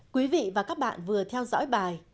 quý vị và các bạn vừa theo dõi bài